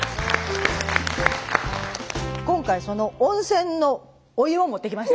今回その温泉のお湯を持ってきました。